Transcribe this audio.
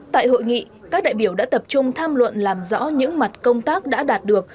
tại hội nghị các đại biểu đã tập trung tham luận làm rõ những mặt công tác đã đạt được